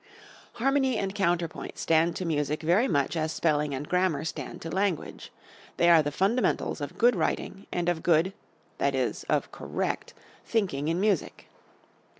Harmony and counterpoint stand to music very much as spelling and grammar stand to language. They are the fundamentals of good writing and of good that is, of correct thinking in music.